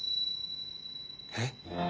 えっ？